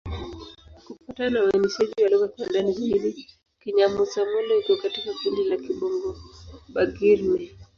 Kufuatana na uainishaji wa lugha kwa ndani zaidi, Kinyamusa-Molo iko katika kundi la Kibongo-Bagirmi.